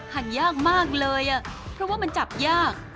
ยากมากเลยเพราะว่ามันจับยาก